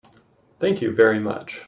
Thank you very much.